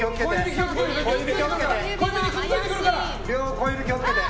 小指気を付けて！